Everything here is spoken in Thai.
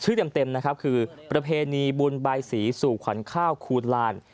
ชื่อเต็มคือประเพณีบุญใบสีสู่ขวัญข้าวคูลลาน